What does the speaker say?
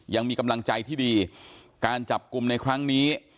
ยังมีกำลังใจที่ดีการจับกลุ่มในครั้งนี้